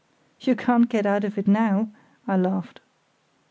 "You can't get out of it now," I laughed.